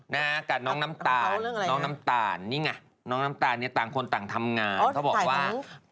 นะฮะกับน้องน้ำตาลน้องน้ำตาลนี่ไงน้องน้ำตาลเนี่ยต่างคนต่างทำงานเขาบอกว่า